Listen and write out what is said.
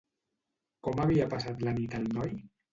Com havia passat la nit el noi?